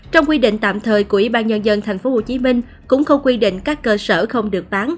trong quy định tạm thời của ủy ban nhân dân tp hcm cũng không quy định các cơ sở không được bán